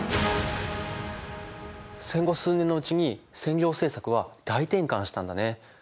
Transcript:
戦後数年のうちに占領政策は大転換したんだね。